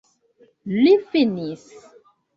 Li finis!